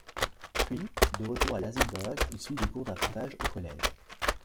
Puis, de retour à Lasingburgh, il suit des cours d'arpentage au collège.